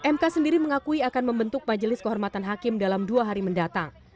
mk sendiri mengakui akan membentuk majelis kehormatan hakim dalam dua hari mendatang